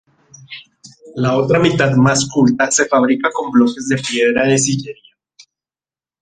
La otra mitad, más culta, se fabrica con bloques de piedra de sillería.